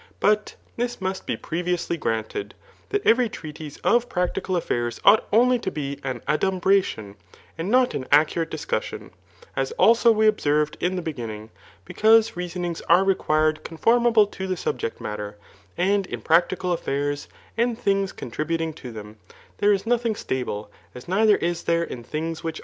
But this must be previously granted, that every treatise of practical affairs ought only to be an adumbration, and not an accurate discussion, as also we observed in the beginning, because reasonings are re quired conformable to the subject matter; and in prac tical afiairs, and things contributing to them, there is nothing stable, as neither is there in things which are ■ Viz.